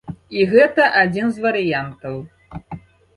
І гэта адзін з варыянтаў.